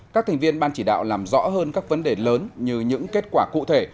các thành viên ban chỉ đạo làm rõ hơn các vấn đề lớn như những kết quả cụ thể